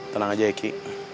tenang aja ya ki